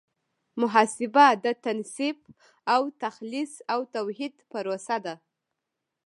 محاسبه د تنصیف او تخلیص او توحید پروسه ده.